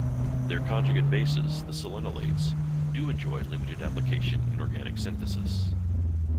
Their conjugate bases, the selenolates, do enjoy limited applications in organic synthesis.